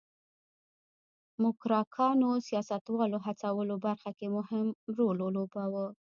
موکراکانو سیاستوالو هڅولو برخه کې مهم رول ولوباوه.